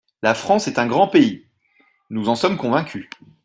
La France est un grand pays, nous en sommes convaincus.